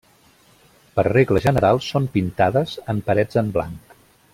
Per regla general són pintades en parets en blanc.